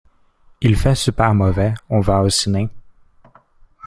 Il fait super mauvais, on va au ciné?